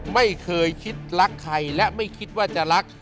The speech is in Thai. ไม่เคยคิดรักใครและไม่คิดว่าจะรัก